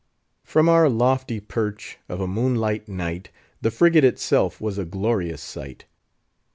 From our lofty perch, of a moonlight night, the frigate itself was a glorious sight.